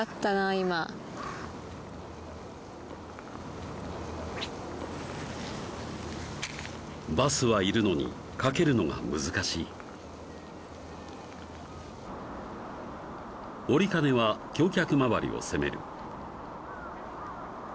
今バスはいるのに掛けるのが難しい折金は橋脚周りを攻める